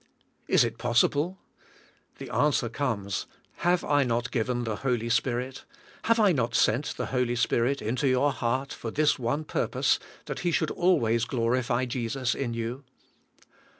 Is it possible? The answer comes. Have I not g iven the Holy Spirit, have I not sent the Holy Spirit into your heart for this one purpose, that He should al ways g lorify Jesus in you?